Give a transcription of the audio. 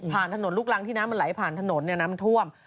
ถนนลูกรังที่น้ำมันไหลผ่านถนนน้ำท่วม